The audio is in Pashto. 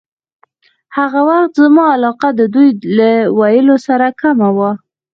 هغه وخت زما علاقه د دوی له ویلو سره کمه شوه.